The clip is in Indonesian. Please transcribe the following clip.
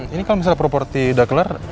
ini kalau misalnya properti udah kelar